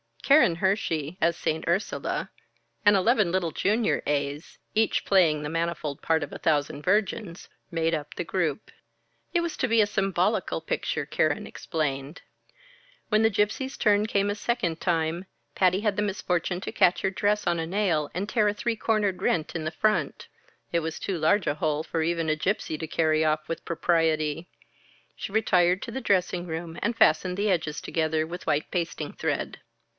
Keren Hersey, as St. Ursula, and eleven little Junior A's each playing the manifold part of a Thousand Virgins made up the group. It was to be a symbolical picture, Keren explained. When the Gypsies' turn came a second time, Patty had the misfortune to catch her dress on a nail and tear a three cornered rent in the front. It was too large a hole for even a Gypsy to carry off with propriety; she retired to the dressing room and fastened the edges together with white basting thread.